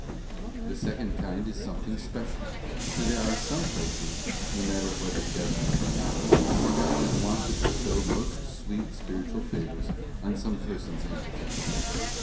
The second kind is something special, for there are some places, no matter whether desert or not, where God is wont to bestow most sweet spiritual favours on some persons in particular.